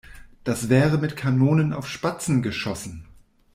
Das wäre mit Kanonen auf Spatzen geschossen.